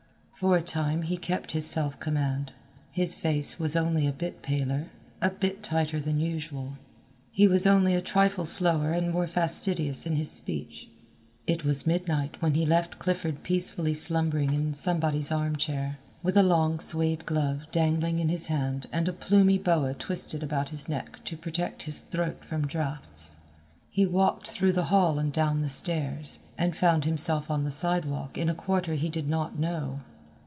For a time he kept his self command. His face was only a bit paler, a bit tighter than usual; he was only a trifle slower and more fastidious in his speech. It was midnight when he left Clifford peacefully slumbering in somebody's arm chair, with a long suede glove dangling in his hand and a plumy boa twisted about his neck to protect his throat from drafts. He walked through the hall and down the stairs, and found himself on the sidewalk in a quarter he did not know.